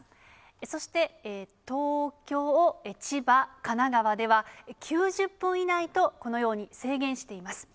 そして東京、千葉、神奈川では、９０分以内と、このように制限しています。